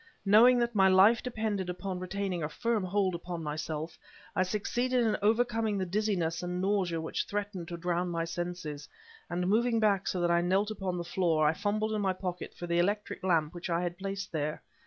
Knowing that my life depended upon retaining a firm hold upon myself, I succeeded in overcoming the dizziness and nausea which threatened to drown my senses, and, moving back so that I knelt upon the floor, I fumbled in my pocket for the electric lamp which I had placed there.